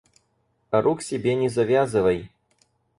А рук себе не завязывай.